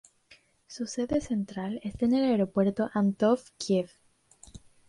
Su sede central está en el Aeropuerto Antonov, Kiev.